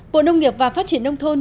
bộ nông nghiệp và phát triển nông thôn